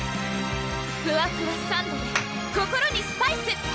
ふわふわサンドｄｅ心にスパイス！